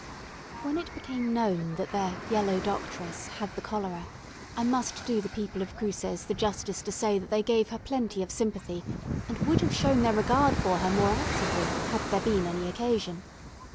When it became known that their "yellow doctress" had the cholera, I must do the people of Cruces the justice to say that they gave her plenty of sympathy, and would have shown their regard for her more actively, had there been any occasion.